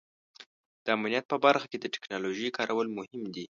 د امنیت په برخه کې د ټیکنالوژۍ کارول مهم دي.